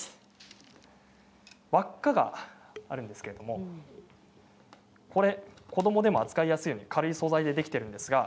輪っかがあるんですけれども子どもでも扱いやすいように軽い素材でできているんですか。